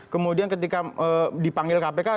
kemudian ketika dipanggil kpk